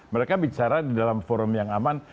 mereka bicara di dalam forum yang aman